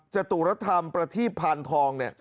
จะตุรธรรมประธิพันธ์ทอง